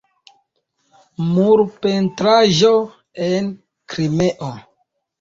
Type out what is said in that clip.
Murpentraĵo en Krimeo.